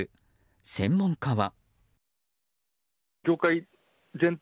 専門家は。